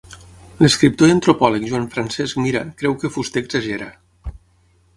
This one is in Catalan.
L'escriptor i antropòleg Joan Francesc Mira creu que Fuster exagera.